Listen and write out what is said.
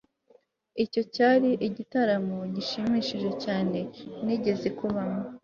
Icyo cyari igitaramo gishimishije cyane nigeze kubamo